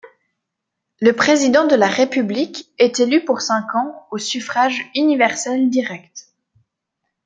Le Président de la République est élu pour cinq ans au suffrage universel direct.